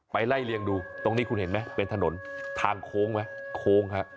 ไล่เลียงดูตรงนี้คุณเห็นไหมเป็นถนนทางโค้งไหมโค้งฮะ